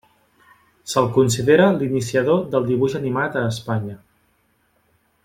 Se'l considera l'iniciador del dibuix animat a Espanya.